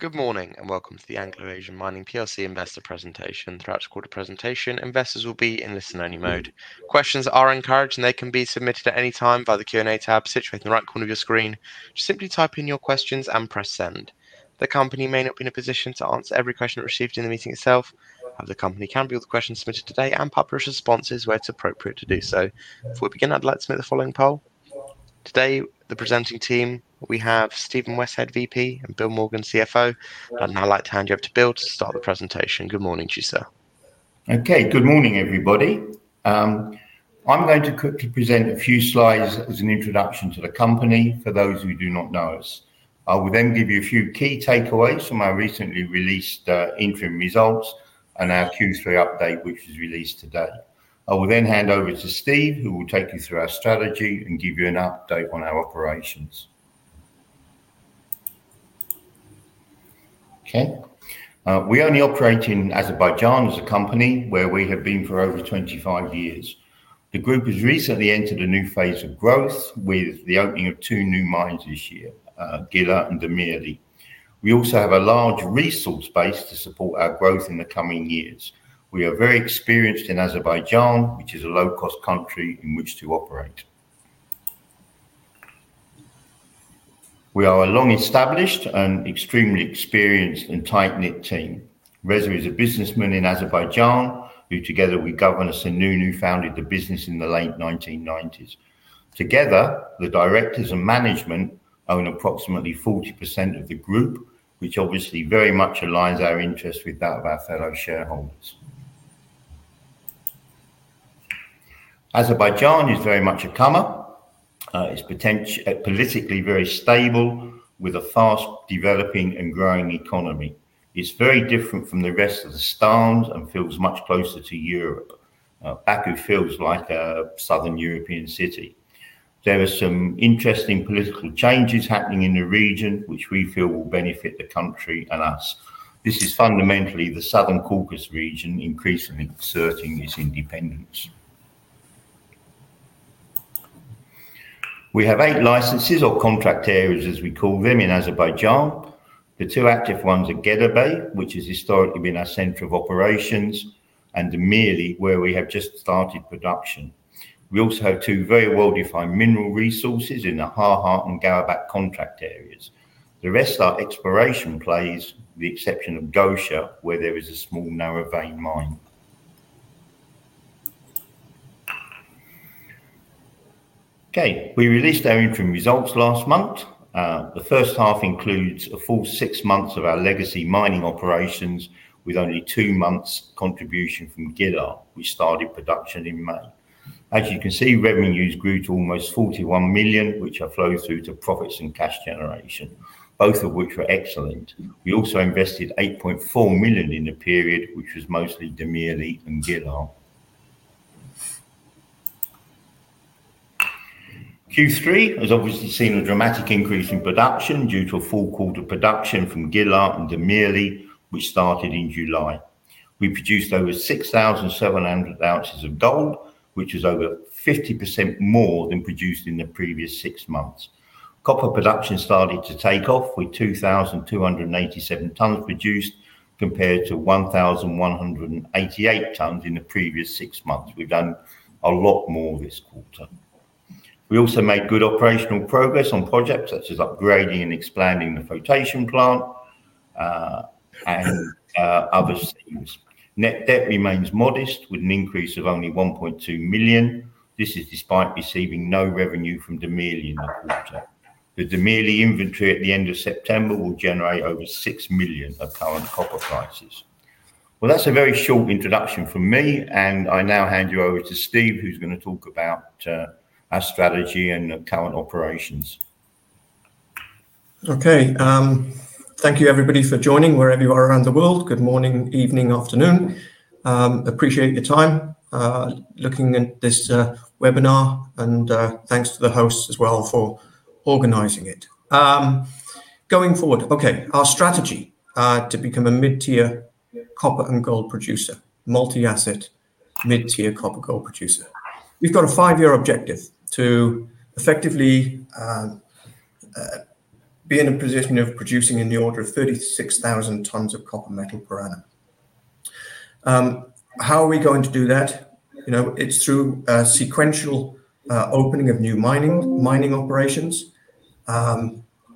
Good morning, and welcome to the Anglo Asian Mining PLC investor presentation. Throughout the quarter presentation, investors will be in listen-only mode. Questions are encouraged, and they can be submitted at any time via the Q&A tab situated in the right corner of your screen. Just simply type in your questions and press Send. The company may not be in a position to answer every question received in the meeting itself, but the company can view the questions submitted today and publish responses where it's appropriate to do so. Before we begin, I'd like to make the following point. Today, the presenting team, we have Stephen Westhead, VP, and Bill Morgan, CFO. I'd now like to hand you over to Bill to start the presentation. Good morning to you, sir. Okay. Good morning, everybody. I'm going to quickly present a few slides as an introduction to the company for those who do not know us. I will then give you a few key takeaways from our recently released interim results and our Q3 update, which is released today. I will then hand over to Steve, who will take you through our strategy and give you an update on our operations. Okay. We only operate in Azerbaijan as a company, where we have been for over 25 years. The group has recently entered a new phase of growth with the opening of two new mines this year, Gadir and Damirli. We also have a large resource base to support our growth in the coming years. We are very experienced in Azerbaijan, which is a low-cost country in which to operate. We are a long-established and extremely experienced and tight-knit team. Reza is a businessman in Azerbaijan, who together with Governor Sununu, founded the business in the late 1990s. Together, the directors and management own approximately 40% of the group, which obviously very much aligns our interest with that of our fellow shareholders. Azerbaijan is very much a comer. It's politically very stable with a fast developing and growing economy. It's very different from the rest of the Stans and feels much closer to Europe. Baku feels like a Southern European city. There are some interesting political changes happening in the region which we feel will benefit the country and us. This is fundamentally the Southern Caucasus region increasingly asserting its independence. We have 8 licenses or contract areas, as we call them, in Azerbaijan. The two active ones are Gedabek, which has historically been our center of operations, and Damirli, where we have just started production. We also have two very well-defined mineral resources in the Xarxar and Garadagh contract areas. The rest are exploration plays, with the exception of Gosha, where there is a small narrow vein mine. Okay. We released our interim results last month. The first half includes a full six months of our legacy mining operations with only two months contribution from Gilar. We started production in May. As you can see, revenues grew to almost $41 million, which are flowed through to profits and cash generation, both of which were excellent. We also invested $8.4 million in the period, which was mostly Damirli and Gilar. Q3 has obviously seen a dramatic increase in production due to a full quarter production from Gilar and Damirli, which started in July. We produced over 6,700 ounces of gold, which is over 50% more than produced in the previous six months. Copper production started to take off with 2,287 tons produced compared to 1,188 tons in the previous six months. We've done a lot more this quarter. We also made good operational progress on projects such as upgrading and expanding the flotation plant and other things. Net debt remains modest with an increase of only $1.2 million. This is despite receiving no revenue from Damirli in the quarter. The Damirli inventory at the end of September will generate over $6 million at current copper prices. Well, that's a very short introduction from me, and I now hand you over to Stephen, who's gonna talk about our strategy and current operations. Okay. Thank you everybody for joining wherever you are around the world. Good morning, evening, afternoon. Appreciate your time looking at this webinar, and thanks to the host as well for organizing it. Going forward. Okay. Our strategy to become a mid-tier copper and gold producer, multi-asset, mid-tier copper gold producer. We've got a five-year objective to effectively be in a position of producing in the order of 36,000 tons of copper metal per annum. How are we going to do that? You know, it's through sequential opening of new mining operations.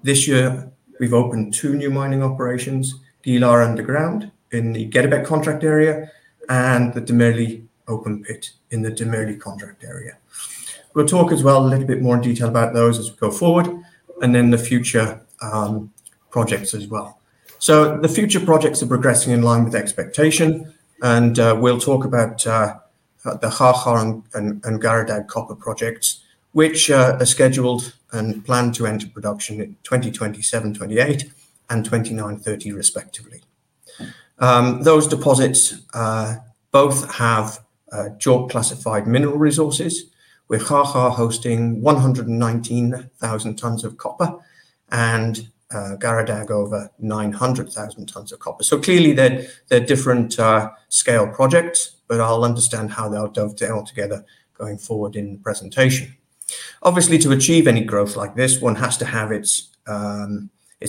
This year, we've opened two new mining operations, Gilar underground in the Gedabek contract area and the Damirli open pit in the Damirli contract area. We'll talk as well a little bit more in detail about those as we go forward, and then the future projects as well. The future projects are progressing in line with expectation, and we'll talk about the Xarxar and Garadagh copper projects, which are scheduled and planned to enter production in 2027, 2028 and 2029, 2030, respectively. Those deposits both have JORC-classified mineral resources, with Xarxar hosting 119,000 tons of copper and Garadagh over 900,000 tons of copper. Clearly they're different scale projects, but you'll understand how they'll dovetail together going forward in the presentation. Obviously, to achieve any growth like this one has to have its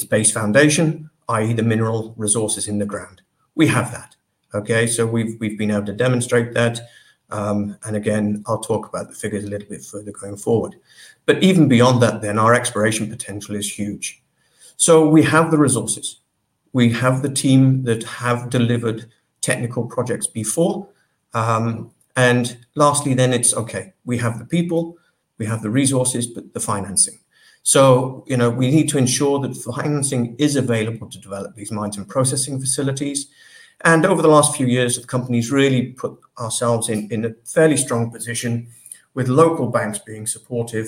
base foundation, i.e. the mineral resources in the ground. We have that. Okay. We've been able to demonstrate that. Again, I'll talk about the figures a little bit further going forward. Even beyond that, our exploration potential is huge. We have the resources. We have the team that have delivered technical projects before. Lastly, it's okay, we have the people, we have the resources, but the financing. You know, we need to ensure that financing is available to develop these mines and processing facilities, and over the last few years, the company's really put ourselves in a fairly strong position with local banks being supportive.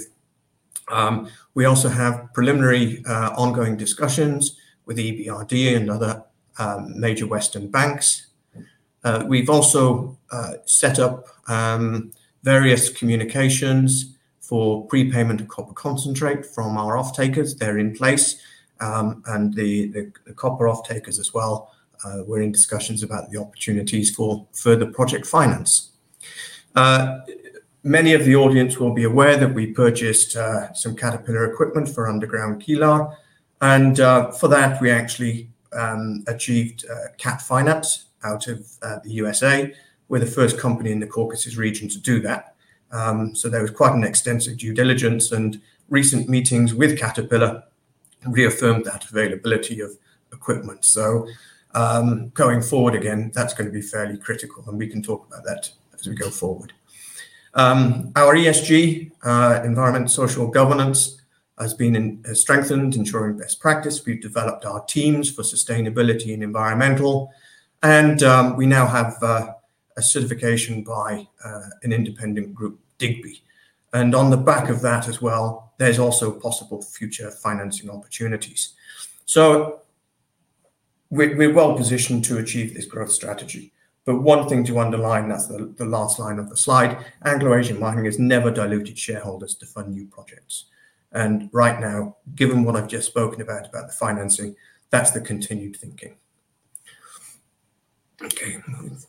We also have preliminary, ongoing discussions with EBRD and other, major Western banks. We've also set up various communications for prepayment of copper concentrate from our off-takers. They're in place. The copper off-takers as well, we're in discussions about the opportunities for further project finance. Many of the audience will be aware that we purchased some Caterpillar equipment for underground Gilar, and for that we actually achieved Cat Financial out of the U.S.A. We're the first company in the Caucasus region to do that. There was quite an extensive due diligence, and recent meetings with Caterpillar reaffirmed the availability of equipment. Going forward again, that's gonna be fairly critical, and we can talk about that as we go forward. Our ESG, environmental social governance, has been strengthened ensuring best practice. We've developed our teams for sustainability and environmental, and we now have a certification by an independent group, Digbee. On the back of that as well, there's also possible future financing opportunities. We're well positioned to achieve this growth strategy. One thing to underline, that's the last line of the slide, Anglo Asian Mining has never diluted shareholders to fund new projects. Right now, given what I've just spoken about the financing, that's the continued thinking. Okay, moving forward.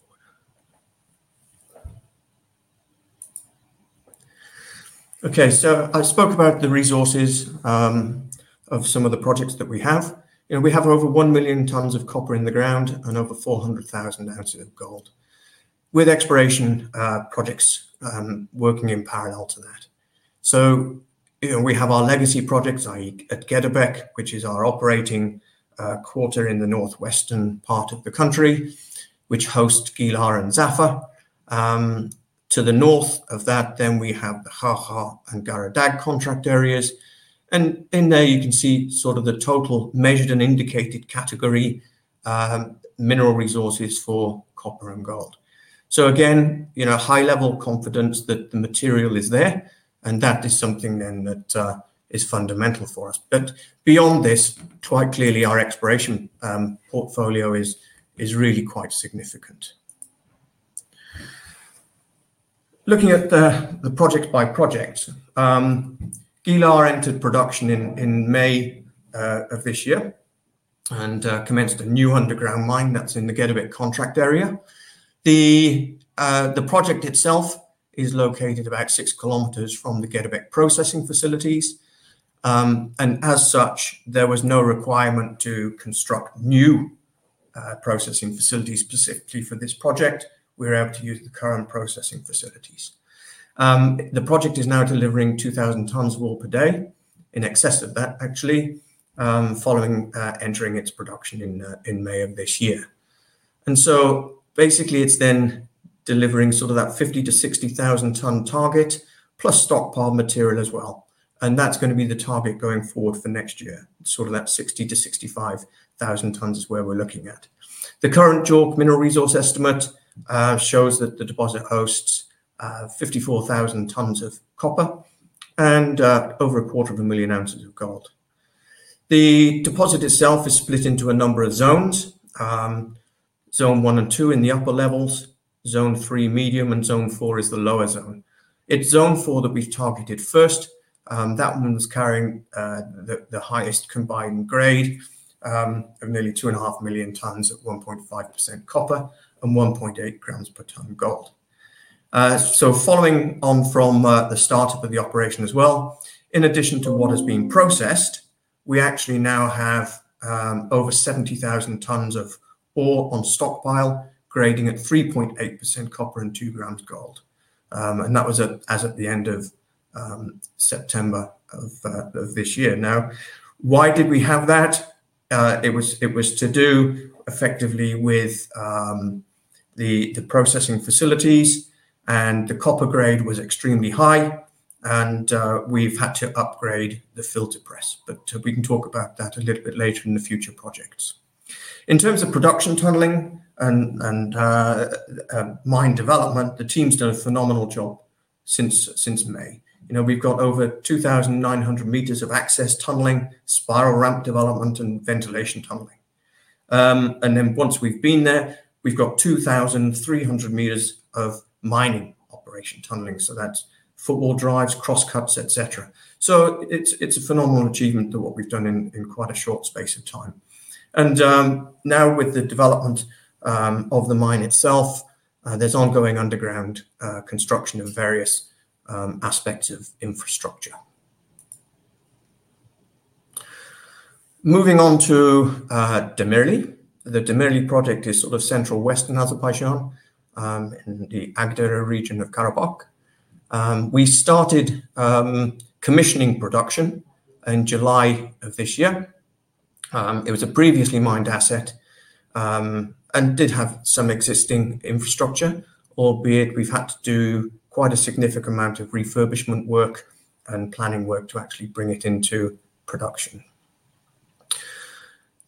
Okay, I spoke about the resources of some of the projects that we have. You know, we have over 1 million tons of copper in the ground and over 400,000 ounces of gold with exploration projects working in parallel to that. You know, we have our legacy projects, i.e. at Gedabek, which is our operating quarter in the northwestern part of the country, which hosts Gilar and Zafer. To the north of that we have the Xarxar and Garadagh contract areas, and in there you can see sort of the total measured and indicated category mineral resources for copper and gold. Again, you know, high level confidence that the material is there, and that is something that is fundamental for us. Beyond this, quite clearly our exploration portfolio is really quite significant. Looking at the project by project. Gilar entered production in May of this year and commenced a new underground mine that's in the Gedabek contract area. The project itself is located about six kilometers from the Gedabek processing facilities, and as such, there was no requirement to construct new processing facilities specifically for this project. We're able to use the current processing facilities. The project is now delivering 2,000 tons ore per day, in excess of that actually, following entering its production in May of this year. Basically it's then delivering sort of that 50,000-60,000 ton target, plus stockpile material as well, and that's gonna be the target going forward for next year. Sort of that 60,000-65,000 tons is where we're looking at. The current JORC mineral resource estimate shows that the deposit hosts 54,000 tons of copper and over a quarter of a million ounces of gold. The deposit itself is split into a number of zones. Zone one and two in the upper levels, zone three medium, and zone four is the lower zone. It's zone four that we've targeted first. That one was carrying the highest combined grade of nearly 2.5 million tons at 1.5% copper and 1.8 grams per ton gold. Following on from the startup of the operation as well, in addition to what is being processed, we actually now have over 70,000 tons of ore on stockpile grading at 3.8% copper and 2 grams gold. That was at the end of September of this year. Now, why did we have that? It was to do effectively with the processing facilities and the copper grade was extremely high and we've had to upgrade the filter press. We can talk about that a little bit later in the future projects. In terms of production tunneling and mine development, the team's done a phenomenal job since May. You know, we've got over 2,900 meters of access tunneling, spiral ramp development, and ventilation tunneling. And then once we've been there, we've got 2,300 meters of mining operation tunneling, so that's footwall drives, cross cuts, et cetera. So it's a phenomenal achievement of what we've done in quite a short space of time. Now with the development of the mine itself, there's ongoing underground construction of various aspects of infrastructure. Moving on to Damirli. The Damirli project is sort of central western Azerbaijan in the Agdere region of Karabakh. We started commissioning production in July of this year. It was a previously mined asset, and did have some existing infrastructure, albeit we've had to do quite a significant amount of refurbishment work and planning work to actually bring it into production.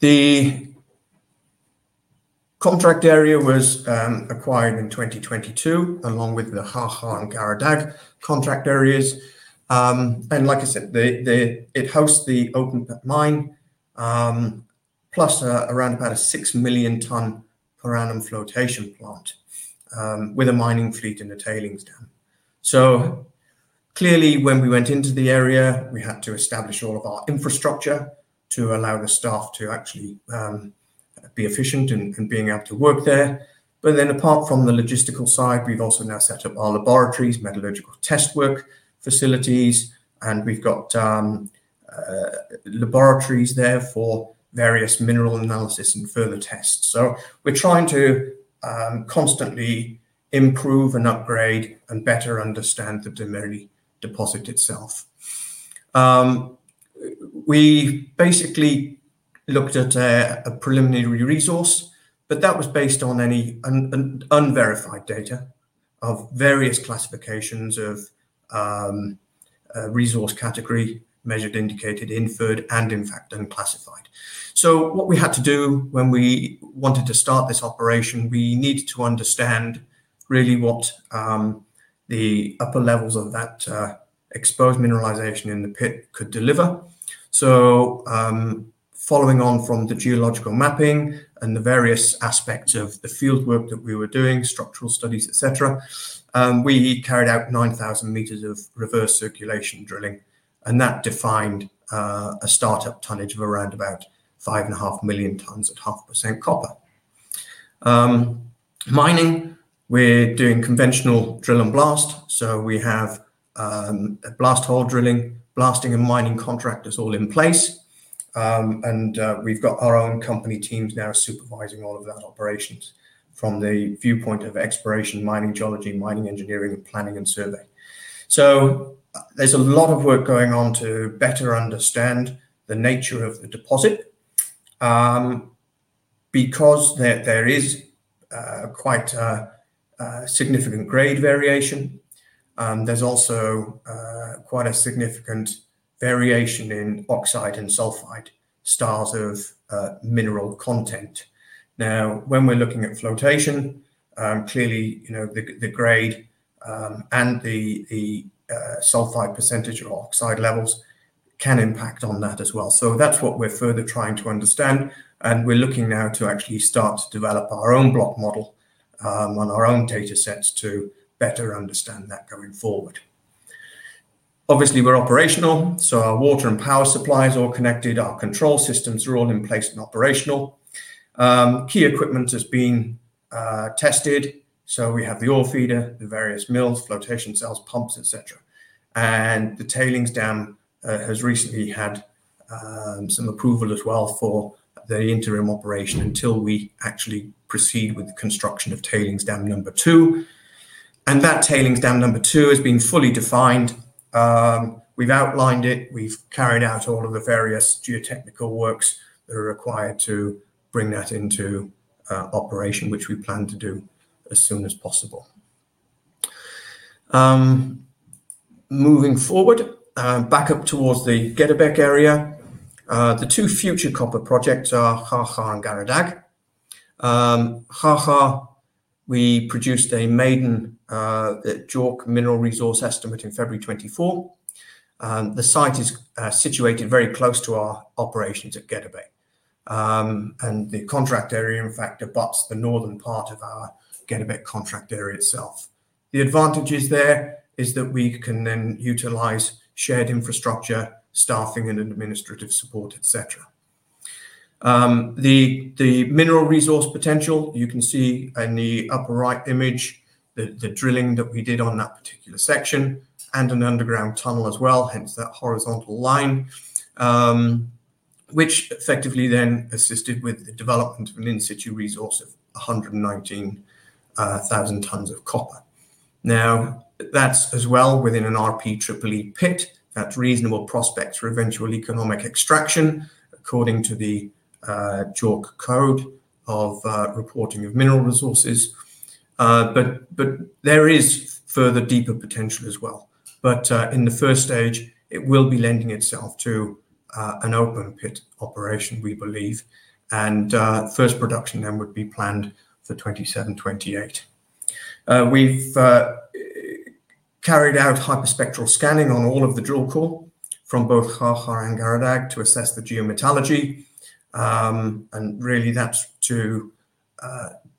The contract area was acquired in 2022 along with the Xarxar and Garadagh contract areas. And like I said, it hosts the open pit mine, plus around about a 6 million ton per annum flotation plant, with a mining fleet and a tailings dam. Clearly when we went into the area, we had to establish all of our infrastructure to allow the staff to actually be efficient in being able to work there. Apart from the logistical side, we've also now set up our laboratories, metallurgical test work facilities, and we've got laboratories there for various mineral analysis and further tests. We're trying to constantly improve and upgrade and better understand the Damirli deposit itself. We basically looked at a preliminary resource, but that was based on any unverified data of various classifications of resource category, measured, indicated, inferred, and in fact unclassified. What we had to do when we wanted to start this operation, we needed to understand really what the upper levels of that exposed mineralization in the pit could deliver. Following on from the geological mapping and the various aspects of the field work that we were doing, structural studies, et cetera, we carried out 9,000 meters of reverse circulation drilling, and that defined a startup tonnage of around about 5.5 million tons at 0.5% copper. Mining, we're doing conventional drill and blast. We have blast hole drilling, blasting and mining contractors all in place. We've got our own company teams now supervising all of that operations from the viewpoint of exploration, mining geology, mining engineering, planning and survey. There's a lot of work going on to better understand the nature of the deposit, because there is quite a significant grade variation. There's also quite a significant variation in oxide and sulfide styles of mineral content. Now, when we're looking at flotation, clearly, you know, the grade and the sulfide percentage or oxide levels can impact on that as well. That's what we're further trying to understand, and we're looking now to actually start to develop our own block model on our own data sets to better understand that going forward. Obviously, we're operational, so our water and power supply is all connected. Our control systems are all in place and operational. Key equipment has been tested, so we have the ore feeder, the various mills, flotation cells, pumps, et cetera. The tailings dam has recently had some approval as well for the interim operation until we actually proceed with the construction of tailings dam number two. That tailings dam number two has been fully defined. We've outlined it, we've carried out all of the various geotechnical works that are required to bring that into operation, which we plan to do as soon as possible. Moving forward, back up towards the Gedabek area. The two future copper projects are Xarxar and Garadagh. Xarxar, we produced a maiden JORC mineral resource estimate in February 2024. The site is situated very close to our operations at Gedabek. The contract area, in fact, abuts the northern part of our Gedabek contract area itself. The advantages there is that we can then utilize shared infrastructure, staffing and administrative support, et cetera. The mineral resource potential, you can see in the upper right image the drilling that we did on that particular section and an underground tunnel as well, hence that horizontal line, which effectively then assisted with the development of an in-situ resource of 119,000 tons of copper. Now, that's as well within an RPEEE pit. That's reasonable prospects for eventual economic extraction according to the JORC code of reporting of mineral resources. There is further deeper potential as well. In the first stage, it will be lending itself to an open pit operation, we believe. First production then would be planned for 2027-2028. We've carried out hyperspectral scanning on all of the drill core from both Xarxar and Garadagh to assess the geometallurgy. Really that's to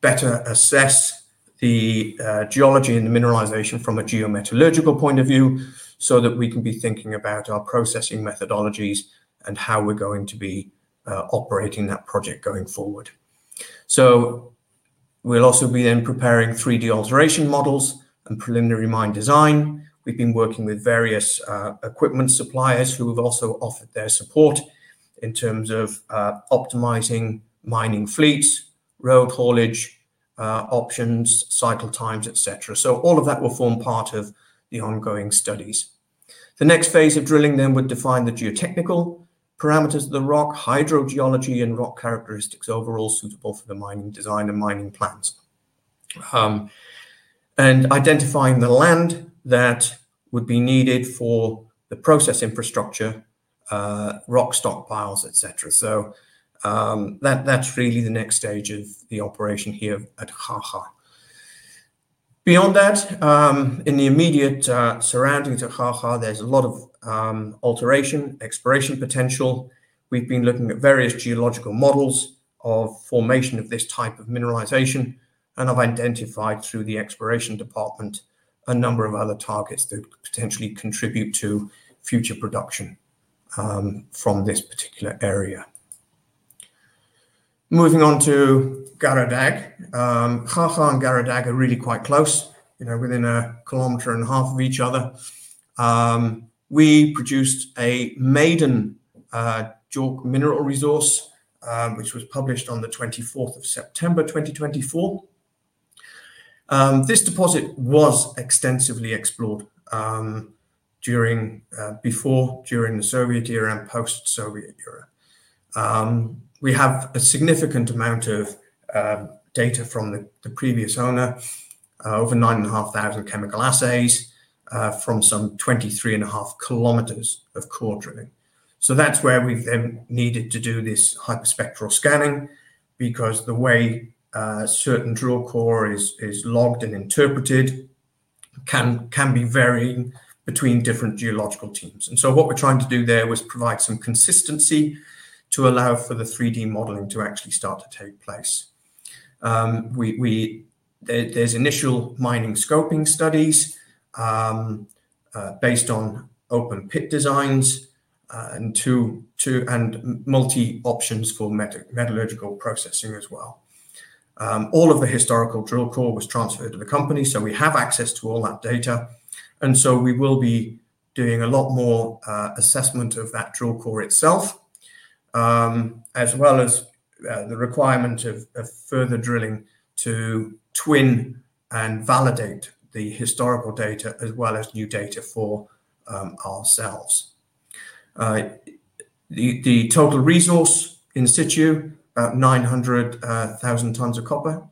better assess the geology and the mineralization from a geometallurgical point of view so that we can be thinking about our processing methodologies and how we're going to be operating that project going forward. We'll also be preparing 3-D alteration models and preliminary mine design. We've been working with various equipment suppliers who have also offered their support in terms of optimizing mining fleets, road haulage options, cycle times, et cetera. All of that will form part of the ongoing studies. The next phase of drilling would define the geotechnical parameters of the rock, hydrogeology, and rock characteristics overall suitable for the mining design and mining plans, identifying the land that would be needed for the process infrastructure, rock stockpiles, et cetera. That's really the next stage of the operation here at Khaha. Beyond that, in the immediate surroundings of Khaha, there's a lot of alteration exploration potential. We've been looking at various geological models of formation of this type of mineralization and have identified through the exploration department a number of other targets that could potentially contribute to future production from this particular area. Moving on to Garadagh. Khaha and Garadagh are really quite close, you know, within 1.5 kilometers of each other. We produced a maiden JORC mineral resource, which was published on the 24th of September 2024. This deposit was extensively explored during the Soviet era and post-Soviet era. We have a significant amount of data from the previous owner, over 9,500 chemical assays, from some 23.5 kilometers of core drilling. That's where we then needed to do this hyperspectral scanning because the way certain drill core is logged and interpreted can be varying between different geological teams. What we're trying to do there was provide some consistency to allow for the 3D modeling to actually start to take place. There's initial mining scoping studies, based on open pit designs, and multi options for metallurgical processing as well. All of the historical drill core was transferred to the company, so we have access to all that data. We will be doing a lot more assessment of that drill core itself, as well as the requirement of further drilling to twin and validate the historical data as well as new data for ourselves. The total resource in situ, about 900,000 tons of copper.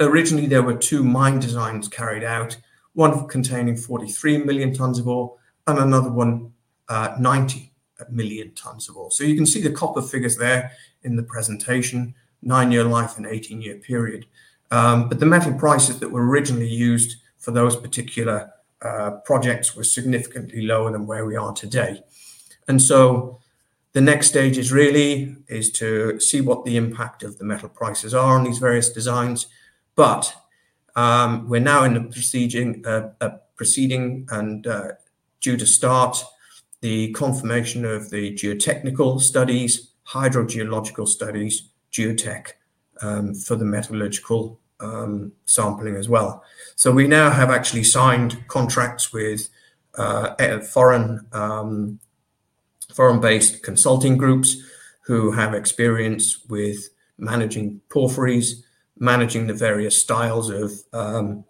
Originally there were two mine designs carried out, one containing 43 million tons of ore and another one, 90 million tons of ore. You can see the copper figures there in the presentation, 9-year life and 18-year period. The metal prices that were originally used for those particular projects were significantly lower than where we are today. The next stage is really to see what the impact of the metal prices are on these various designs. We're now in the proceeding and due to start the confirmation of the geotechnical studies, hydrogeological studies, geotech for the metallurgical sampling as well. We now have actually signed contracts with foreign-based consulting groups who have experience with managing porphyries, managing the various styles of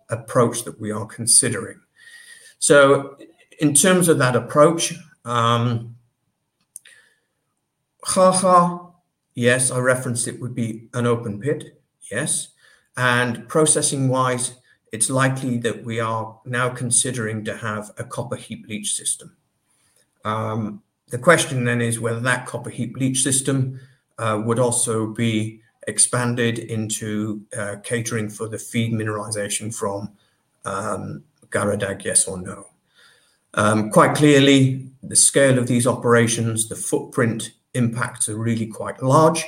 approach that we are considering. In terms of that approach, Khaha, yes, I referenced it would be an open pit, yes. Processing-wise, it's likely that we are now considering to have a copper heap leach system. The question then is whether that copper heap leach system would also be expanded into catering for the feed mineralization from Garadagh, yes or no. Quite clearly the scale of these operations, the footprint impacts are really quite large.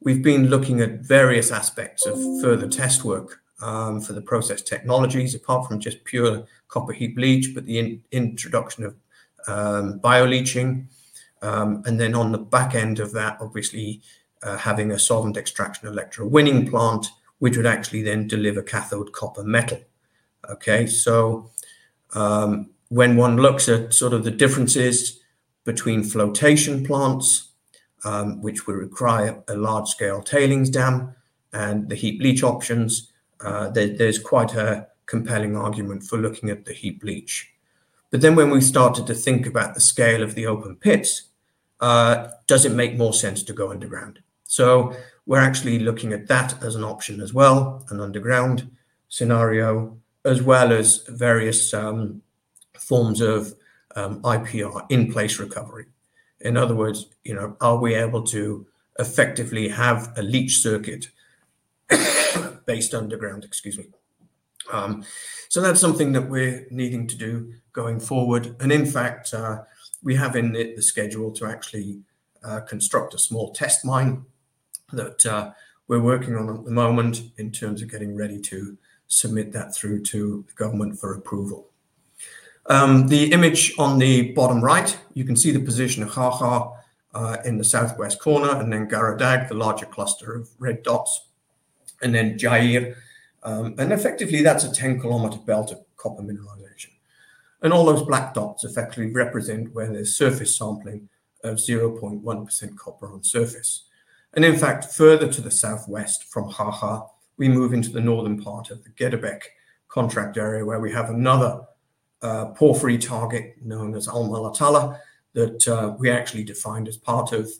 We've been looking at various aspects of further test work for the process technologies, apart from just pure copper heap leach, but the introduction of bioleaching. Then on the back end of that, obviously, having a solvent extraction electrowinning plant, which would actually then deliver cathode copper metal. When one looks at sort of the differences between flotation plants, which would require a large-scale tailings dam, and the heap leach options, there's quite a compelling argument for looking at the heap leach. When we started to think about the scale of the open pits, does it make more sense to go underground? We're actually looking at that as an option as well, an underground scenario, as well as various forms of IPR, in-place recovery. In other words, you know, are we able to effectively have a leach circuit based underground? That's something that we're needing to do going forward. In fact, we have it in the schedule to actually construct a small test mine that we're working on at the moment in terms of getting ready to submit that through to the government for approval. The image on the bottom right, you can see the position of Khaha in the southwest corner, and then Garadagh, the larger cluster of red dots, and then Jeyir. Effectively, that's a 10-kilometer belt of copper mineralization. All those black dots effectively represent where there's surface sampling of 0.1% copper on surface. In fact, further to the southwest from Khaha, we move into the northern part of the Gedabek contract area where we have another porphyry target known as Almalytala that we actually defined as part of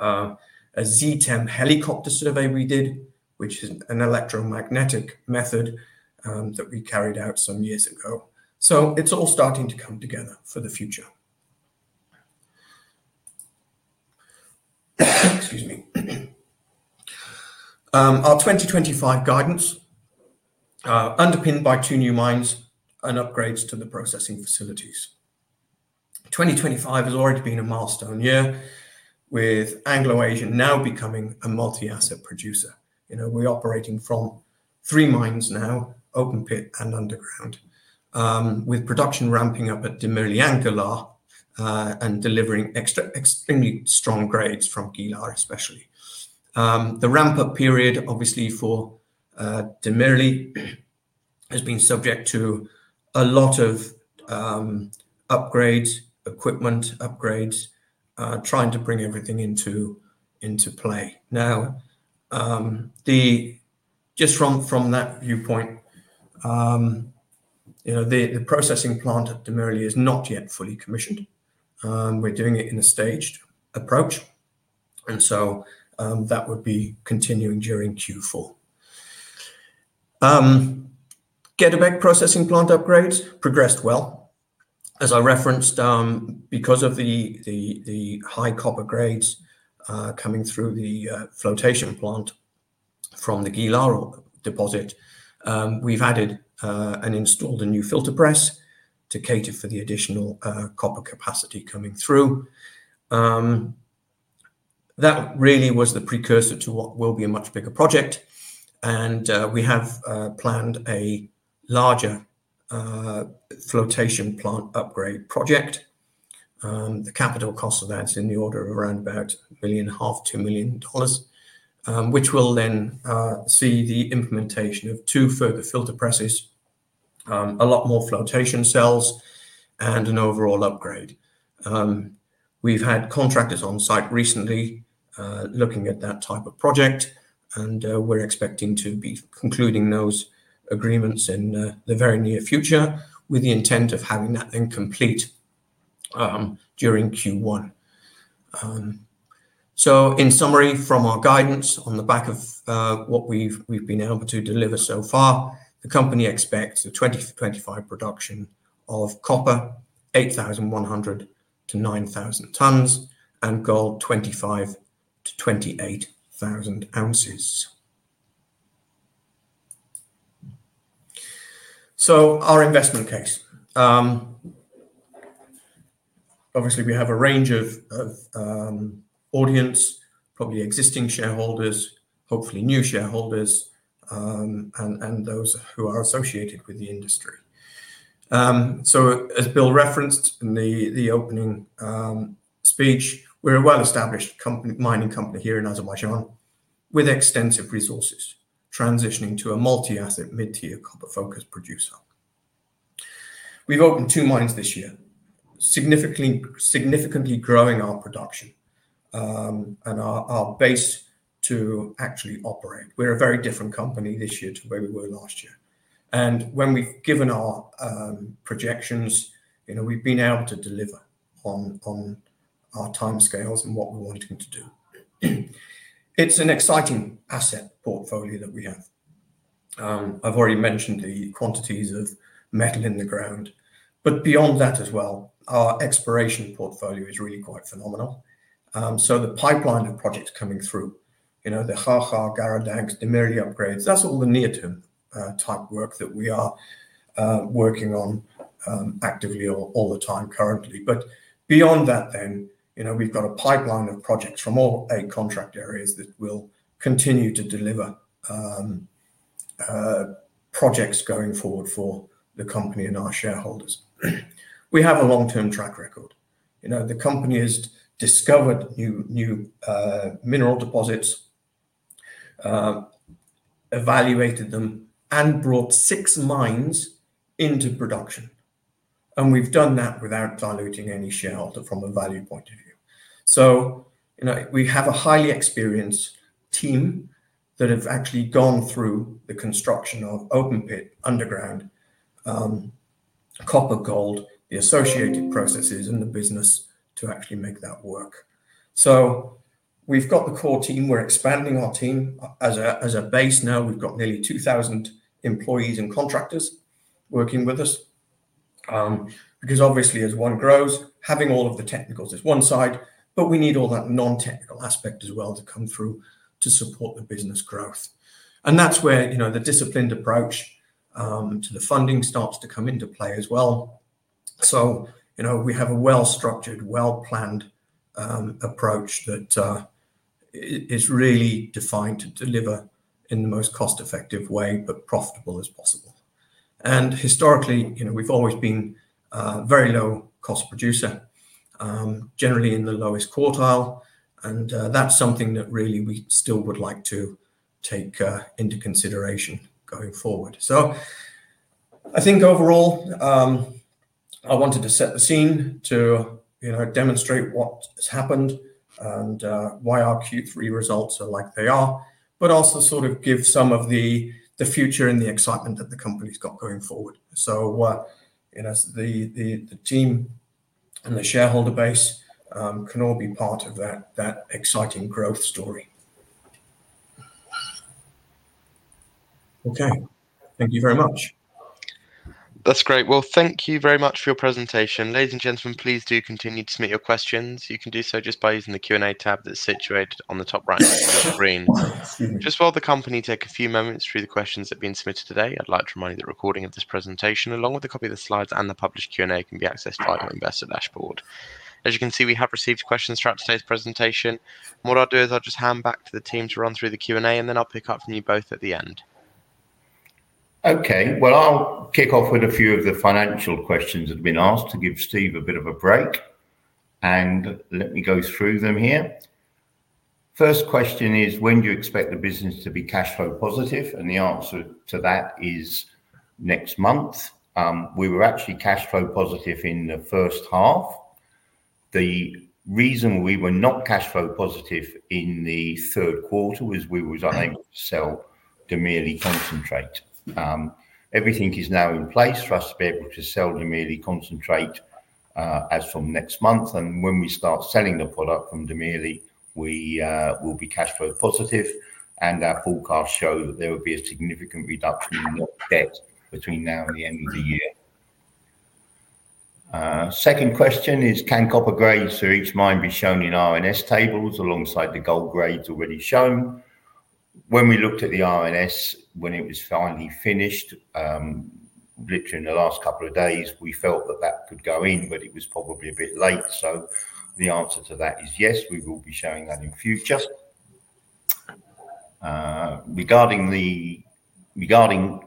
a ZTEM helicopter survey we did, which is an electromagnetic method, that we carried out some years ago. It's all starting to come together for the future. Excuse me. Our 2025 guidance, underpinned by two new mines and upgrades to the processing facilities. 2025 has already been a milestone year, with Anglo Asian now becoming a multi-asset producer. You know, we're operating from three mines now, open pit and underground, with production ramping up at Damirli and Gilar, and delivering extremely strong grades from Gilar especially. The ramp-up period obviously for Damirli has been subject to a lot of upgrades, equipment upgrades, trying to bring everything into play. Now, just from that viewpoint, you know, the processing plant at Damirli is not yet fully commissioned. We're doing it in a staged approach. That would be continuing during Q4. Gedabek processing plant upgrades progressed well. As I referenced, because of the high copper grades coming through the flotation plant from the Gilar deposit, we've added and installed a new filter press to cater for the additional copper capacity coming through. That really was the precursor to what will be a much bigger project. We have planned a larger flotation plant upgrade project. The capital cost of that is in the order of around about $1.5 million-$2 million, which will then see the implementation of two further filter presses, a lot more flotation cells, and an overall upgrade. We've had contractors on site recently looking at that type of project, and we're expecting to be concluding those agreements in the very near future with the intent of having that then complete during Q1. In summary, from our guidance on the back of what we've been able to deliver so far, the company expects a 2025 production of copper 8,100-9,000 tons and gold 25,000-28,000 ounces. Our investment case. Obviously, we have a range of audience, probably existing shareholders, hopefully new shareholders, and those who are associated with the industry. As Bill referenced in the opening speech, we're a well-established company, mining company here in Azerbaijan with extensive resources transitioning to a multi-asset, mid-tier, copper-focused producer. We've opened two mines this year, significantly growing our production and our base to actually operate. We're a very different company this year to where we were last year. When we've given our projections, you know, we've been able to deliver on our timescales and what we're wanting to do. It's an exciting asset portfolio that we have. I've already mentioned the quantities of metal in the ground, but beyond that as well, our exploration portfolio is really quite phenomenal. The pipeline of projects coming through, you know, the Gedabek, Garadagh, Damirli upgrades, that's all the near-term type work that we are working on actively all the time currently. Beyond that, you know, we've got a pipeline of projects from all eight contract areas that will continue to deliver projects going forward for the company and our shareholders. We have a long-term track record. You know, the company has discovered new mineral deposits, evaluated them, and brought six mines into production. We've done that without diluting any shareholder from a value point of view. You know, we have a highly experienced team that have actually gone through the construction of open pit, underground, copper, gold, the associated processes in the business to actually make that work. We've got the core team. We're expanding our team. As a base now, we've got nearly 2,000 employees and contractors working with us. Because obviously as one grows, having all of the technicals is one side, but we need all that non-technical aspect as well to come through to support the business growth. That's where, you know, the disciplined approach to the funding starts to come into play as well. You know, we have a well-structured, well-planned approach that is really defined to deliver in the most cost-effective way, but profitable as possible. Historically, you know, we've always been a very low-cost producer, generally in the lowest quartile, and that's something that really we still would like to take into consideration going forward. I think overall, I wanted to set the scene to, you know, demonstrate what has happened and why our Q3 results are like they are, but also sort of give some of the future and the excitement that the company's got going forward. You know, the team and the shareholder base can all be part of that exciting growth story. Okay. Thank you very much. That's great. Well, thank you very much for your presentation. Ladies and gentlemen, please do continue to submit your questions. You can do so just by using the Q&A tab that's situated on the top right-hand side of the screen. Just while the company take a few moments to read the questions that have been submitted today, I'd like to remind you that a recording of this presentation, along with a copy of the slides and the published Q&A, can be accessed via our investor dashboard. As you can see, we have received questions throughout today's presentation, and what I'll do is I'll just hand back to the team to run through the Q&A, and then I'll pick up from you both at the end. Okay. Well, I'll kick off with a few of the financial questions that have been asked to give Steve a bit of a break, and let me go through them here. First question is, when do you expect the business to be cash flow positive? The answer to that is next month. We were actually cash flow positive in the first half. The reason we were not cash flow positive in the third quarter was we were unable to sell Damirli concentrate. Everything is now in place for us to be able to sell Damirli concentrate as from next month. When we start selling the product from Damirli, we will be cash flow positive, and our forecasts show that there will be a significant reduction in net debt between now and the end of the year. Second question is, can copper grades through each mine be shown in RNS tables alongside the gold grades already shown? When we looked at the RNS, when it was finally finished, literally in the last couple of days, we felt that could go in, but it was probably a bit late. The answer to that is yes, we will be showing that in future. Regarding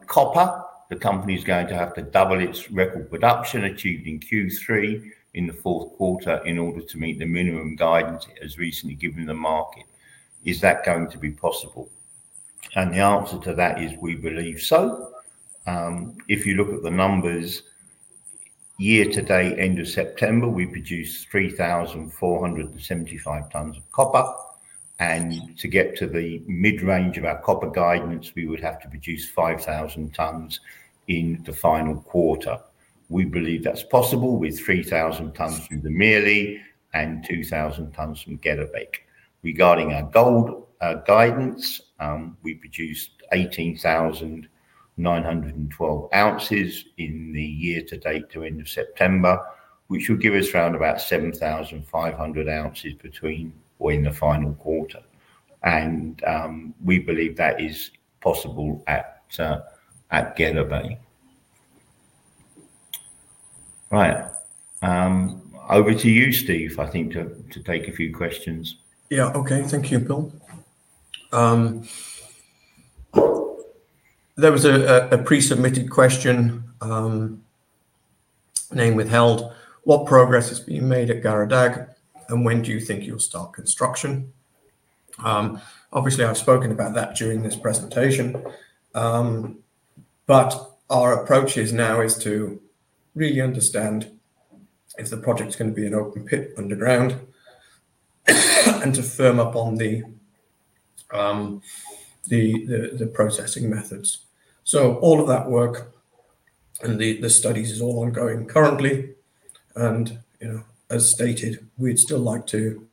copper, the company is going to have to double its record production achieved in Q3 in the fourth quarter in order to meet the minimum guidance it has recently given the market. Is that going to be possible? The answer to that is we believe so. If you look at the numbers year to date end of September, we produced 3,475 tons of copper. To get to the mid-range of our copper guidance, we would have to produce 5,000 tons in the final quarter. We believe that's possible with 3,000 tons through Damirli and 2,000 tons from Gedabek. Regarding our gold guidance, we produced 18,912 ounces in the year to date to end of September, which will give us around about 7,500 ounces between or in the final quarter. We believe that is possible at Gedabek. Right. Over to you, Steve, I think to take a few questions. Yeah. Okay. Thank you, Bill. There was a pre-submitted question, name withheld. What progress has been made at Garadagh, and when do you think you'll start construction? Obviously I've spoken about that during this presentation. Our approach is now to really understand the project gonna be an open pit underground and to firm up on the processing methods. All of that work and the studies is all ongoing currently and, you know, as stated, we'd still like to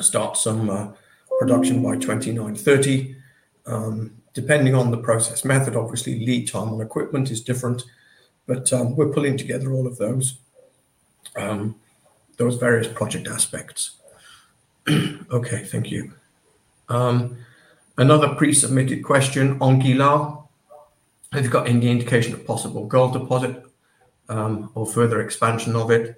start some production by 2029, 2030. Depending on the process method, obviously lead time on equipment is different, but we're pulling together all of those various project aspects. Okay. Thank you. Another pre-submitted question on Gilar. They've got any indication of possible gold deposit or further expansion of it.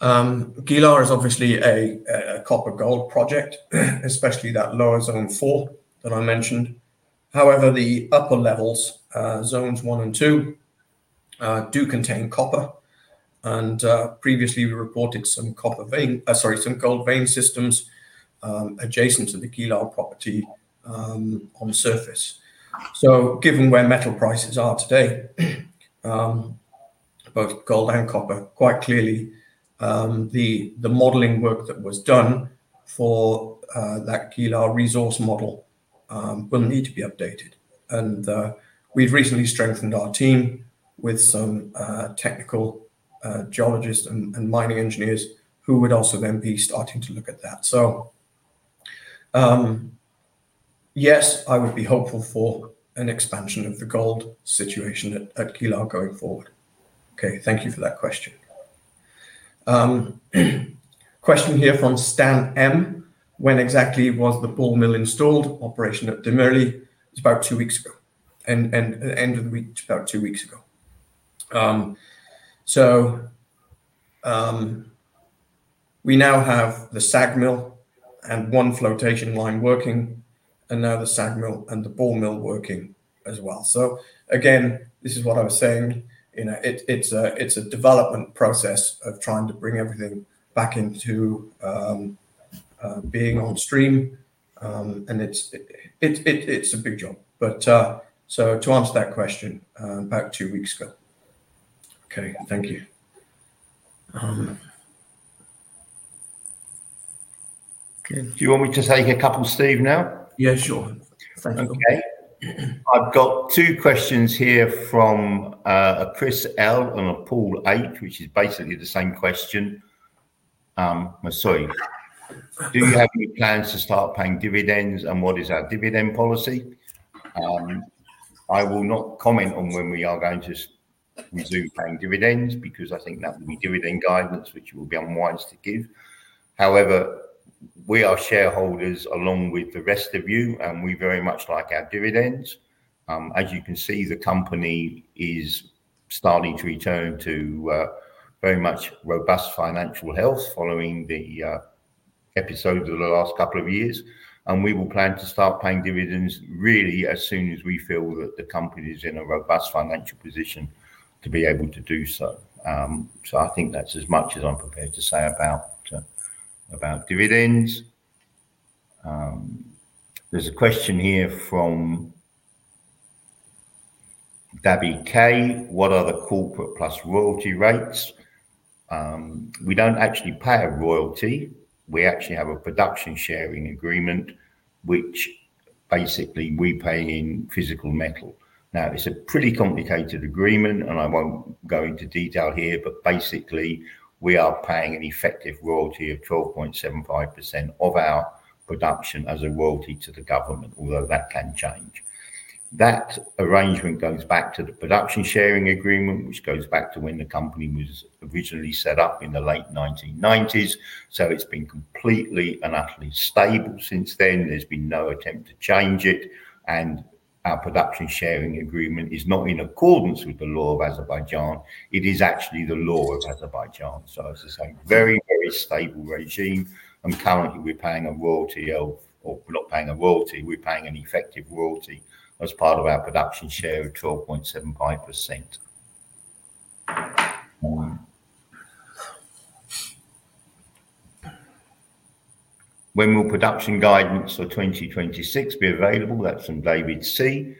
Gilar is obviously a copper gold project, especially that lower zone four that I mentioned. However, the upper levels, zones one and two, do contain copper and, previously we reported some gold vein systems adjacent to the Gilar property on surface. Given where metal prices are today, both gold and copper, quite clearly, the modeling work that was done for that Gilar resource model will need to be updated. We've recently strengthened our team with some technical geologists and mining engineers who would also then be starting to look at that. Yes, I would be hopeful for an expansion of the gold situation at Gilar going forward. Okay, thank you for that question. Question here from Stan M. When exactly was the ball mill installed operation at Damirli? It's about two weeks ago, and at end of the week, about two weeks ago. We now have the SAG mill and one flotation line working, and now the SAG mill and the ball mill working as well. Again, this is what I was saying. You know, it's a development process of trying to bring everything back into being on stream. And it's a big job. To answer that question, about two weeks ago. Okay. Thank you. Okay. Do you want me to take a couple, Steve, now? Yeah, sure. Thank you. Okay. I've got two questions here from a Chris L and a Paul H, which is basically the same question. Sorry. Do you have any plans to start paying dividends, and what is our dividend policy? I will not comment on when we are going to resume paying dividends because I think that would be dividend guidance, which it would be unwise to give. However, we are shareholders along with the rest of you, and we very much like our dividends. As you can see, the company is starting to return to very much robust financial health following the episodes of the last couple of years. We will plan to start paying dividends really as soon as we feel that the company is in a robust financial position to be able to do so. I think that's as much as I'm prepared to say about dividends. There's a question here from Gabby K. What are the corporate plus royalty rates? We don't actually pay a royalty. We actually have a production sharing agreement, which basically we pay in physical metal. Now, it's a pretty complicated agreement, and I won't go into detail here, but basically, we are paying an effective royalty of 12.75% of our production as a royalty to the government, although that can change. That arrangement goes back to the production sharing agreement, which goes back to when the company was originally set up in the late 1990s. It's been completely and utterly stable since then. There's been no attempt to change it, and our production sharing agreement is in accordance with the law of Azerbaijan. It is actually the law of Azerbaijan. As I say, very, very stable regime, and currently, we're paying a royalty of, or not paying a royalty, we're paying an effective royalty as part of our production share of 12.75%. When will production guidance for 2026 be available? That's from David C.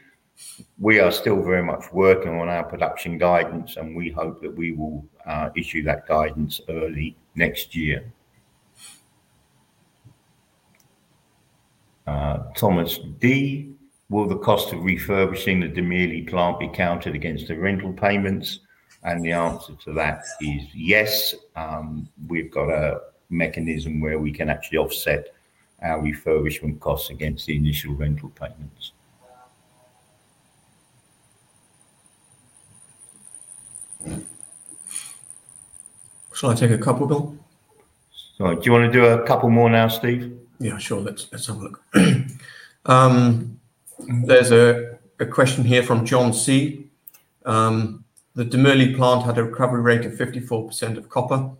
We are still very much working on our production guidance, and we hope that we will issue that guidance early next year. Thomas D. Will the cost of refurbishing the Damirli plant be counted against the rental payments? The answer to that is yes. We've got a mechanism where we can actually offset our refurbishment costs against the initial rental payments. Shall I take a couple, Bill? Sorry. Do you wanna do a couple more now, Steve? Yeah, sure. Let's have a look. There's a question here from John C. The Damirli plant had a recovery rate of 54% of copper,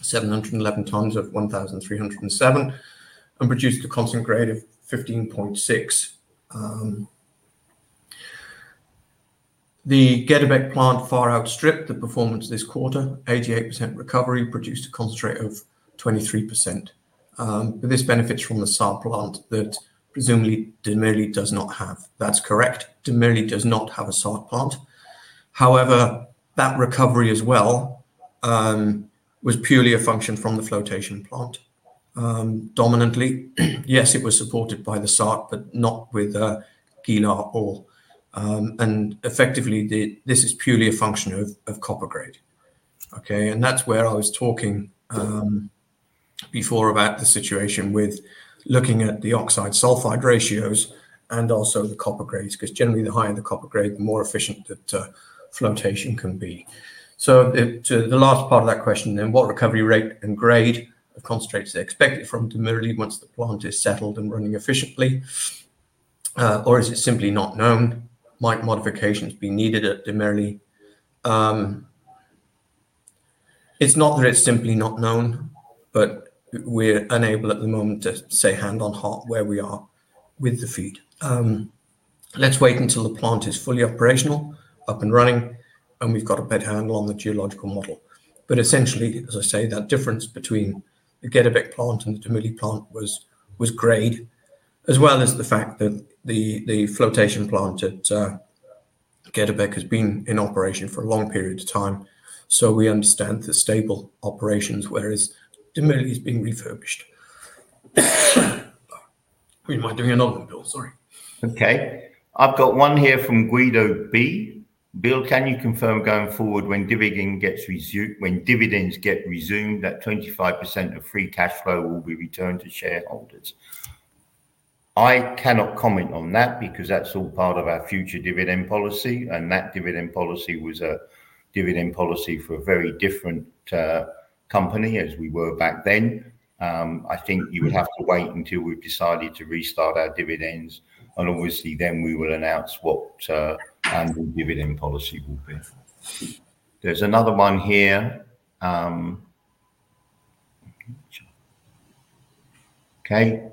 711 tons of 1,307, and produced a concentrate grade of 15.6. The Gedabek plant far outstripped the performance this quarter. 88% recovery produced a concentrate of 23%. This benefits from the SART plant that presumably Damirli does not have. That's correct. Damirli does not have a SART plant. However, that recovery as well was purely a function from the flotation plant predominantly. Yes, it was supported by the SART, but not with Gilar ore. Effectively, this is purely a function of copper grade. Okay. That's where I was talking before about the situation with looking at the oxide sulfide ratios and also the copper grades, 'cause generally the higher the copper grade, the more efficient the flotation can be. To the last part of that question then, what recovery rate and grade of concentrates are expected from Damirli once the plant is settled and running efficiently, or is it simply not known? Might modifications be needed at Damirli? It's not that it's simply not known, but we're unable at the moment to say hand on heart where we are with the feed. Let's wait until the plant is fully operational, up and running, and we've got a better handle on the geological model. Essentially, as I say, that difference between the Gedabek plant and the Damirli plant was grade, as well as the fact that the flotation plant at Gedabek has been in operation for a long period of time. We understand the stable operations, whereas Damirli is being refurbished. I wouldn't mind doing another one, Bill. Sorry. Okay. I've got one here from Guido B. Bill, can you confirm going forward when dividends get resumed, that 25% of free cash flow will be returned to shareholders? I cannot comment on that because that's all part of our future dividend policy, and that dividend policy was a dividend policy for a very different company as we were back then. I think you would have to wait until we've decided to restart our dividends, and obviously then we will announce what annual dividend policy will be. There's another one here. Okay.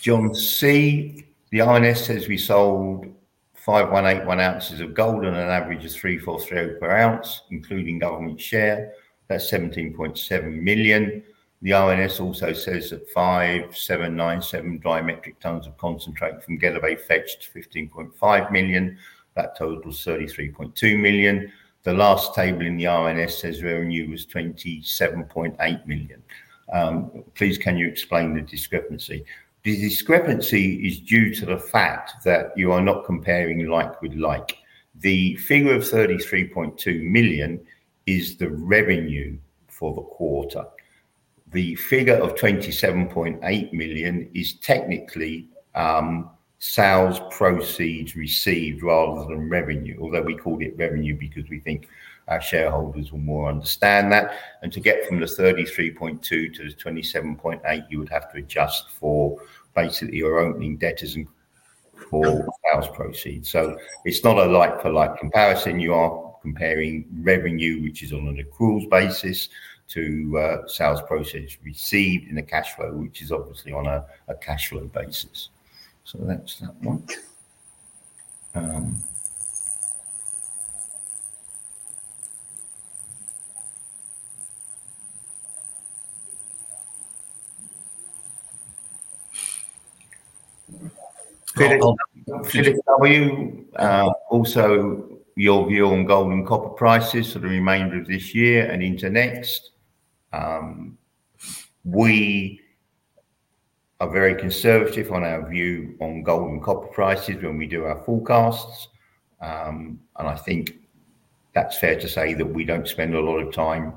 John C. The RNS says we sold 581 ounces of gold on an average of $1,343 per ounce, including government share. That's $17.7 million. The RNS also says that 5.797 dry metric tons of concentrate from Gedabek fetched $15.5 million. That total is $33.2 million. The last table in the RNS says revenue was $27.8 million. Please, can you explain the discrepancy? The discrepancy is due to the fact that you are not comparing like with like. The figure of $33.2 million is the revenue for the quarter. The figure of $27.8 million is technically sales proceeds received rather than revenue, although we called it revenue because we think our shareholders will more understand that. To get from the $33.2 million to the $27.8 million, you would have to adjust for basically your opening debtors and for sales proceeds. It's not a like for like comparison. You are comparing revenue, which is on an accruals basis, to sales proceeds received in the cash flow, which is obviously on a cash flow basis. That's that one. Philip, what is your view on gold and copper prices for the remainder of this year and into next? We are very conservative on our view on gold and copper prices when we do our forecasts. I think that's fair to say that we don't spend a lot of time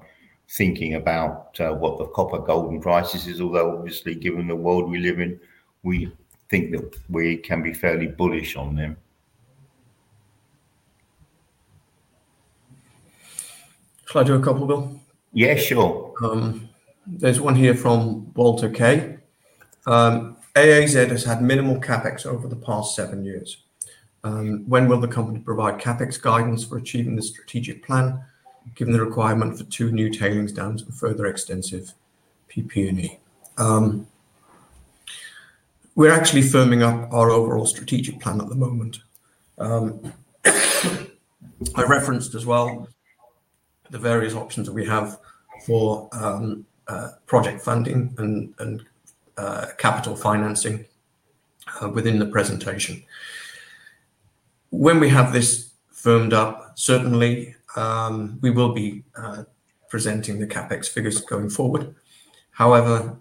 thinking about what the copper and gold prices are, although obviously given the world we live in, we think that we can be fairly bullish on them. Shall I do a couple, Bill? Yeah, sure. There's one here from Walter K. AAZ has had minimal CapEx over the past seven years. When will the company provide CapEx guidance for achieving the strategic plan, given the requirement for two new tailings dams and further extensive PP&E? We're actually firming up our overall strategic plan at the moment. I referenced as well the various options that we have for project funding and capital financing within the presentation. When we have this firmed up, certainly we will be presenting the CapEx figures going forward. However,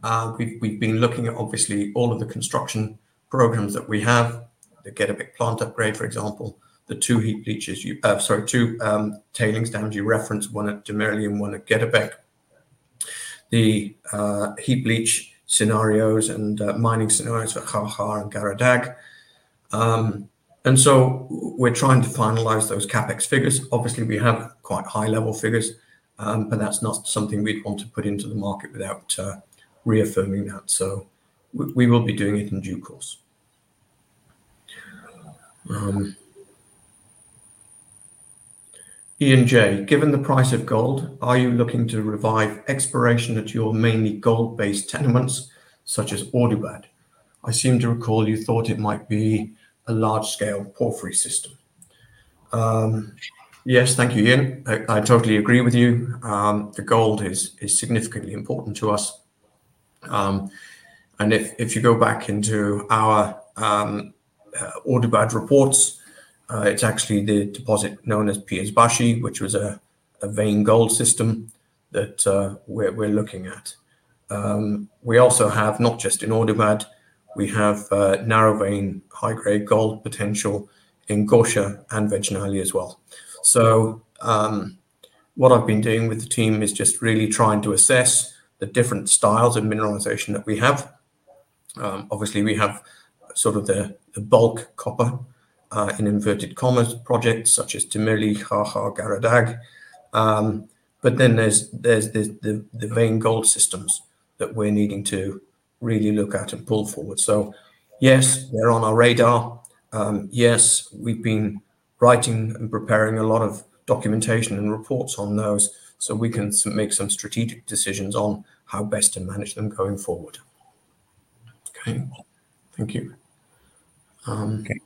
we've been looking at obviously all of the construction programs that we have, the Gedabek plant upgrade, for example, the two tailings dams you referenced, one at Temeliy and one at Gedabek. The heap leach scenarios and mining scenarios for Xarxar and Garadagh. We're trying to finalize those CapEx figures. Obviously, we have quite high-level figures, but that's not something we'd want to put into the market without reaffirming that. We will be doing it in due course. Ian J. Given the price of gold, are you looking to revive exploration at your mainly gold-based tenements such as Ordubad? I seem to recall you thought it might be a large-scale porphyry system. Yes. Thank you, Ian. I totally agree with you. The gold is significantly important to us. If you go back into our Ordubad reports, it's actually the deposit known as Piazbashi, which was a vein gold system that we're looking at. We also have, not just in Ordubad, we have narrow vein, high-grade gold potential in Gosha and Vejnali as well. What I've been doing with the team is just really trying to assess the different styles of mineralization that we have. Obviously, we have sort of the bulk copper in inverted commas projects such as Damirli, Xarxar, Garadagh. There's the vein gold systems that we're needing to really look at and pull forward. Yes, they're on our radar. Yes, we've been writing and preparing a lot of documentation and reports on those so we can make some strategic decisions on how best to manage them going forward. Okay. Thank you. Okay.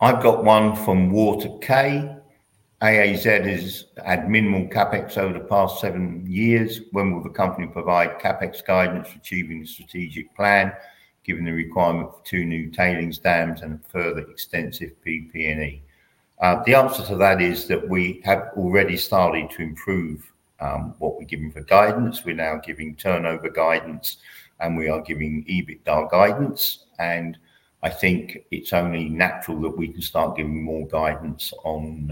I've got one from Walter K. AAZ has had minimal CapEx over the past seven years. When will the company provide CapEx guidance for achieving the strategic plan, given the requirement for two new tailings dams and further extensive PP&E? The answer to that is that we have already started to improve what we're giving for guidance. We're now giving turnover guidance, and we are giving EBITDA guidance. I think it's only natural that we can start giving more guidance on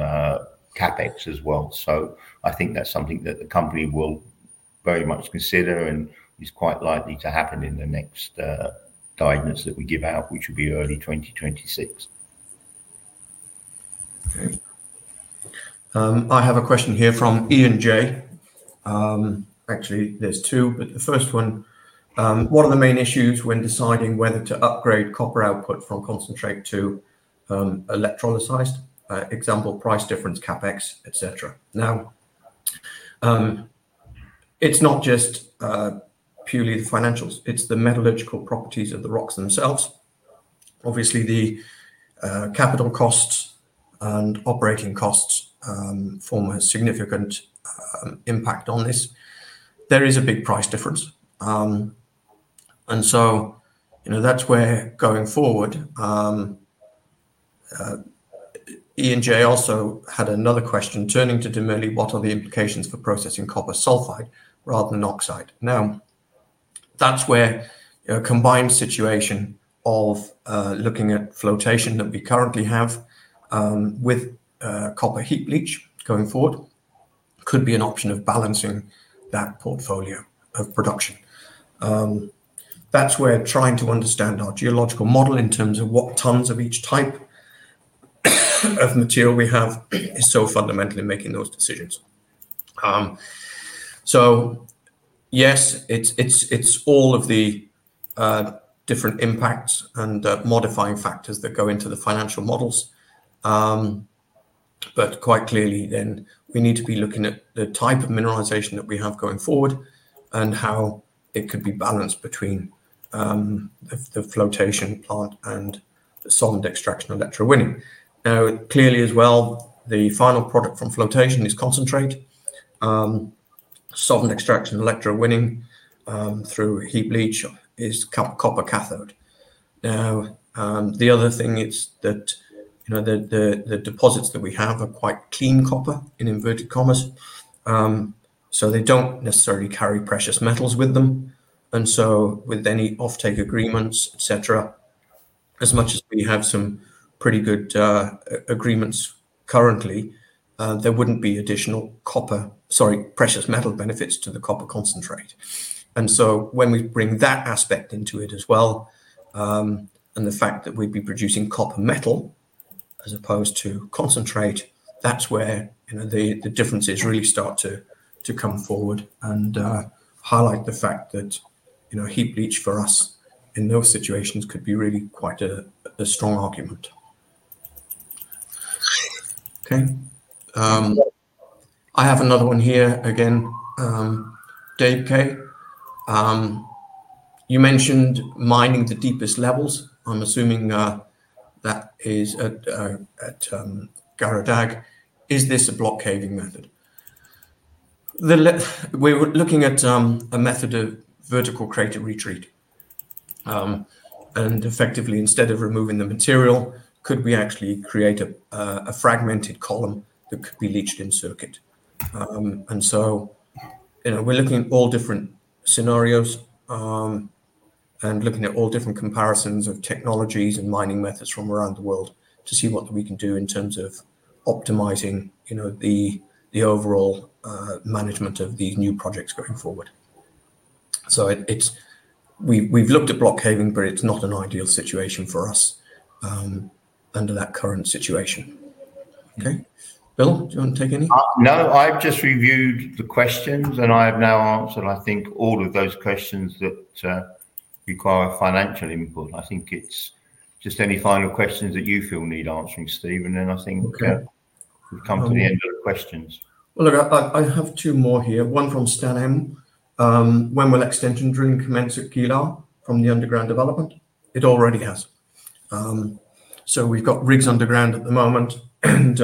CapEx as well. I think that's something that the company will very much consider and is quite likely to happen in the next guidance that we give out, which will be early 2026. Okay. I have a question here from Ian J. Actually, there's two, but the first one: What are the main issues when deciding whether to upgrade copper output from concentrate to electrolyzed? Example, price difference, CapEx, et cetera. Now, it's not just purely the financials. It's the metallurgical properties of the rocks themselves. Obviously, the capital costs and operating costs form a significant impact on this. There is a big price difference. You know, that's where going forward Ian J. also had another question. Turning to Damirli, what are the implications for processing copper sulfide rather than oxide? Now, that's where a combined situation of looking at flotation that we currently have with copper heap leach going forward could be an option of balancing that portfolio of production. That's why we're trying to understand our geological model in terms of what tons of each type of material we have is so fundamental in making those decisions. Yes, it's all of the different impacts and modifying factors that go into the financial models. Quite clearly, we need to be looking at the type of mineralization that we have going forward and how it could be balanced between the flotation plant and the solvent extraction electrowinning. Clearly as well, the final product from flotation is concentrate. Solvent extraction electrowinning through heap leach is copper cathode. The other thing is that, you know, the deposits that we have are quite clean copper, in inverted commas. They don't necessarily carry precious metals with them. With any offtake agreements, et cetera, as much as we have some pretty good agreements currently, there wouldn't be additional precious metal benefits to the copper concentrate. When we bring that aspect into it as well, and the fact that we'd be producing copper metal as opposed to concentrate, that's where, you know, the differences really start to come forward and highlight the fact that, you know, heap leach for us in those situations could be really quite a strong argument. Okay. I have another one here again. Dave K. You mentioned mining the deepest levels. I'm assuming that is at Garadagh. Is this a block caving method? We're looking at a method of vertical crater retreat. Effectively, instead of removing the material, could we actually create a fragmented column that could be leached in circuit? You know, we're looking at all different scenarios, and looking at all different comparisons of technologies and mining methods from around the world to see what we can do in terms of optimizing, you know, the overall management of the new projects going forward. We've looked at block caving, but it's not an ideal situation for us under that current situation. Okay. Bill, do you want to take any? No, I've just reviewed the questions, and I have now answered, I think, all of those questions that require financial input. I think it's just any final questions that you feel need answering, Stephen, and I think- Okay We've come to the end of the questions. Well, look, I have two more here. One from Stan M. When will extension drilling commence at Gilar from the underground development? It already has. So we've got rigs underground at the moment, and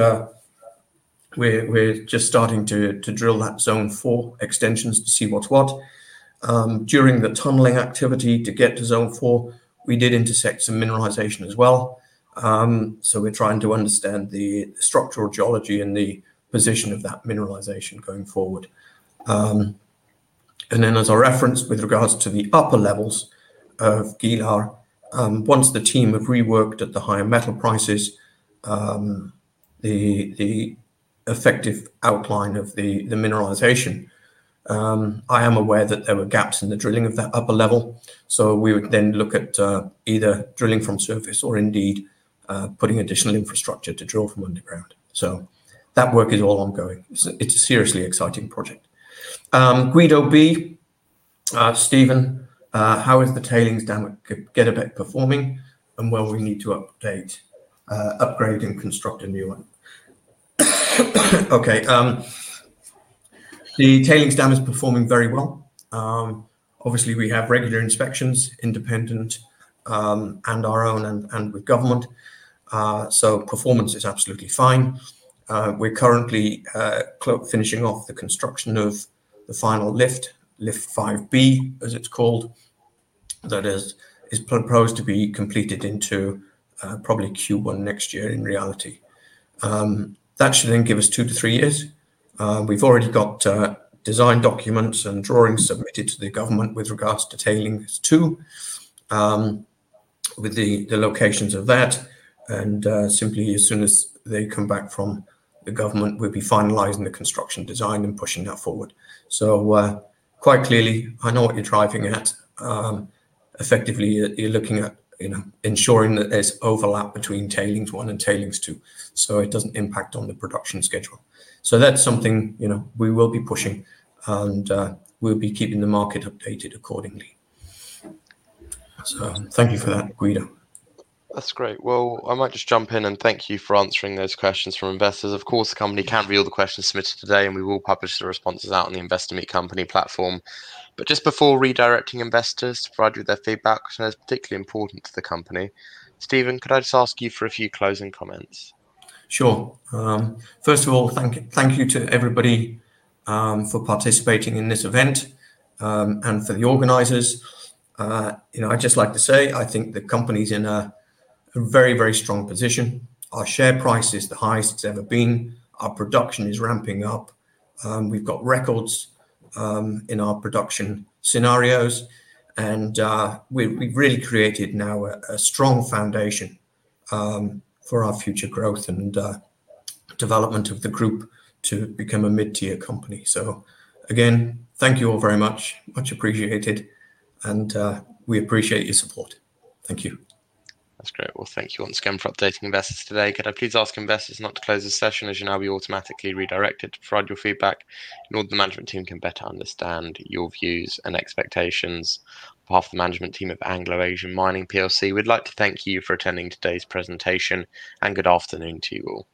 we're just starting to drill that zone four extensions to see what's what. During the tunneling activity to get to zone four, we did intersect some mineralization as well. So we're trying to understand the structural geology and the position of that mineralization going forward. And then as I referenced with regards to the upper levels of Gilar, once the team have reworked at the higher metal prices, the effective outline of the mineralization, I am aware that there were gaps in the drilling of that upper level. We would then look at either drilling from surface or indeed putting additional infrastructure to drill from underground. That work is all ongoing. It's a seriously exciting project. Guido B. Stephen, how is the tailings dam at Garadagh performing and will we need to update, upgrade, and construct a new one? Okay. The tailings dam is performing very well. Obviously we have regular inspections, independent, and our own and with government. Performance is absolutely fine. We're currently finishing off the construction of the final lift 5B, as it's called. That is proposed to be completed into probably Q1 next year in reality. That should then give us 2-3 years. We've already got design documents and drawings submitted to the government with regards to Tailings 2, with the locations of that and simply as soon as they come back from the government, we'll be finalizing the construction design and pushing that forward. Quite clearly, I know what you're driving at. Effectively you're looking at, you know, ensuring that there's overlap between Tailings 1 and Tailings 2, so it doesn't impact on the production schedule. That's something, you know, we will be pushing and we'll be keeping the market updated accordingly. Thank you for that, Guido. That's great. Well, I might just jump in and thank you for answering those questions from investors. Of course, the company can review the questions submitted today, and we will publish the responses out on the Investor Meet Company platform. Just before redirecting investors to provide you with their feedback, which is particularly important to the company, Stephen, could I just ask you for a few closing comments? Sure. First of all, thank you to everybody for participating in this event and for the organizers. You know, I'd just like to say I think the company's in a very strong position. Our share price is the highest it's ever been. Our production is ramping up. We've got records in our production scenarios and we've really created now a strong foundation for our future growth and development of the group to become a mid-tier company. Again, thank you all very much. Much appreciated and we appreciate your support. Thank you. That's great. Well, thank you once again for updating investors today. Could I please ask investors not to close this session? As you know, you'll be automatically redirected to provide your feedback in order that the management team can better understand your views and expectations. On behalf of the management team of Anglo Asian Mining PLC, we'd like to thank you for attending today's presentation, and good afternoon to you all.